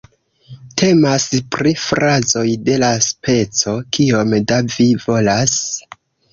Temas pri frazoj de la speco "Kiom da vi volas?